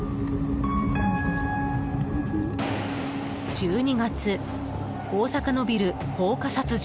１２月、大阪のビル放火殺人。